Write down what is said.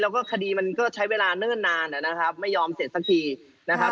แล้วก็คดีมันก็ใช้เวลาเนิ่นนานนะครับไม่ยอมเสร็จสักทีนะครับ